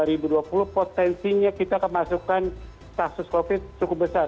itu potensinya kita akan masukkan kasus covid cukup besar